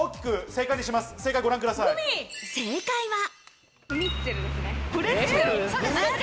正解は。